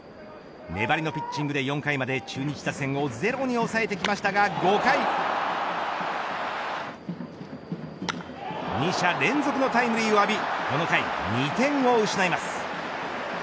粘りのピッチングで４回まで中日打線をゼロに抑えてきましたが５回２者連続のタイムリーを浴びこの回２点を失います。